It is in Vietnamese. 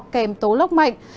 kèm tố lốc mạnh